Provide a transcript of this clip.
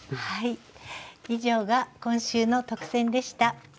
はい以上が今週の特選でした。